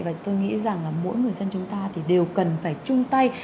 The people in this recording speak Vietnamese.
và tôi nghĩ rằng mỗi người dân chúng ta thì đều cần phải chung tay